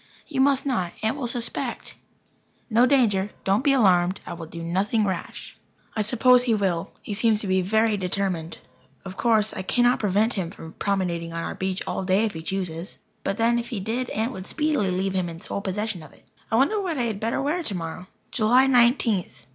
"You must not. Aunt will suspect." "No danger. Don't be alarmed. I will do nothing rash." I suppose he will. He seems to be very determined. Of course, I cannot prevent him from promenading on our beach all day if he chooses. But then if he did, Aunt would speedily leave him in sole possession of it. I wonder what I had better wear tomorrow. July Nineteenth.